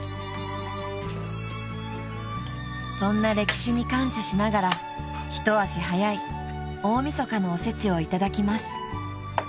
［そんな歴史に感謝しながら一足早い大晦日のおせちをいただきます］